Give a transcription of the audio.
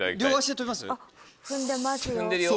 踏んでますよ。